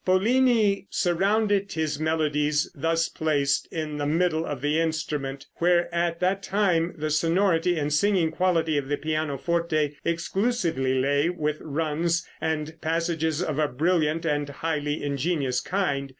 Pollini surrounded his melodies, thus placed in the middle of the instrument, where at that time the sonority and singing quality of the pianoforte exclusively lay, with runs and passages of a brilliant and highly ingenious kind.